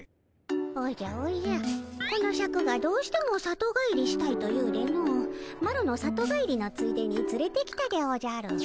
おじゃおじゃこのシャクがどうしても里帰りしたいと言うでのマロの里帰りのついでにつれてきたでおじゃる。